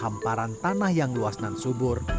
dan memperkuatkan pembaharan tanah yang luas dan subur